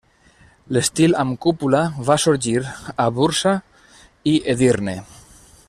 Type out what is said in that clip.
L'estil amb cúpula va sorgir a Bursa i Edirne.